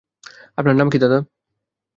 আপনার নাম কী, দাদা?